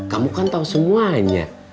kamu kan tahu semuanya